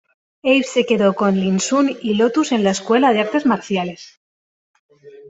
Abe se quedó con Lin Sun y Lotus en la escuela de artes marciales.